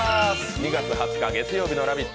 ２月２０日月曜日の「ラヴィット！」